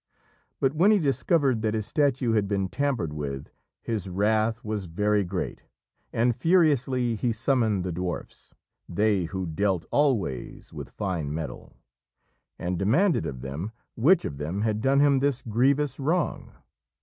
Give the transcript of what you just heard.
But when he discovered that his statue had been tampered with, his wrath was very great, and furiously he summoned the dwarfs they who dealt always with fine metal and demanded of them which of them had done him this grievous wrong.